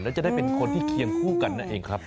แล้วจะได้เป็นคนที่เคียงคู่กันนั่นเองครับ